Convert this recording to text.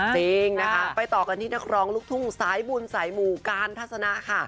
จริงนะคะไปต่อกันที่นักร้องลูกทุ่งสายบุญสายหมู่การทัศนะค่ะ